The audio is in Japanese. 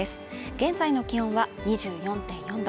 現在の気温は２４．４℃